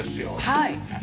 はい。